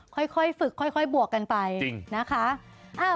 ค่อยฝึกค่อยบวกกันไปนาคะ